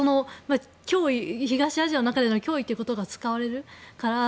東アジアの中での脅威という言葉が使われる。